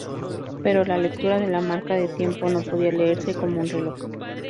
Pero la lectura de la marca de tiempo no podía leerse como un reloj.